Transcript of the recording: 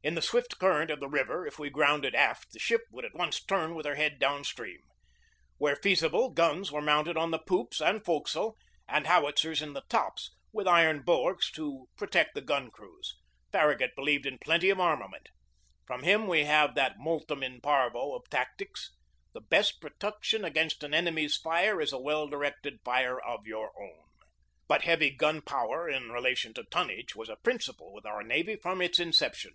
In the swift current of the river, if we grounded aft the ship would at once turn with her head downstream. Where feasible, guns were mounted on the poops and forecastle, and howitzers in the tops, with iron bulwarks to protect the gun crews. Farragut believed in plenty of armament. From him we have that multum in parvo of tactics: "The best protection against an enemy's fire is a well directed fire of your own." But heavy gun power in relation to tonnage was a principle with our navy from its inception.